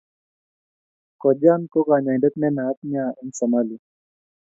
kojan ko kanyaindet ne naat nea en Somalia